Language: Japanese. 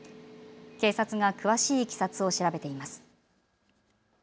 警察が詳しいいきさつを調べています。